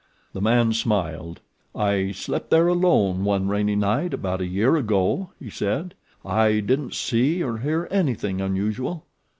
The man smiled. "I slept there alone one rainy night about a year ago," he said. "I didn't see or hear anything unusual.